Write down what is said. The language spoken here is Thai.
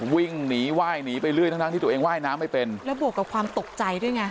วิ่งหนีไหว้หนีไปเรื่อยทั้งที่ตัวเองว่ายน้ำไม่เป็นแล้วบวกกับความตกใจด้วยไง